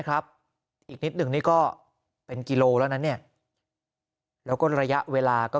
ครับอีกนิดหนึ่งนี่ก็เป็นกิโลแล้วนะเนี่ยแล้วก็ระยะเวลาก็